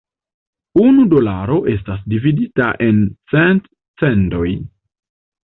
Unu dolaro estas dividita en cent "cendoj".